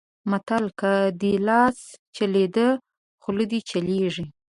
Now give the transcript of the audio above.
متل؛ که دې لاس چلېد؛ خوله دې چلېږي.